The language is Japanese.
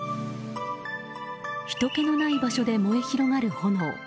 ひとけのない場所で燃え広がる炎。